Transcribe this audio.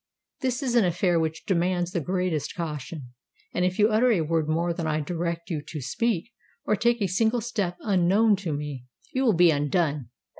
This is an affair which demands the greatest caution; and if you utter a word more than I direct you to speak, or take a single step unknown to me, you will be undone!